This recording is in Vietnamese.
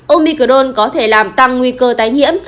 omicron có thể làm tăng nguy cơ tái nhiễm